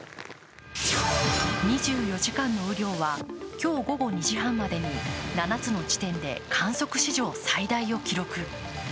２４時間の雨量は今日午後２時半までに７つの地点で観測史上最大を記録。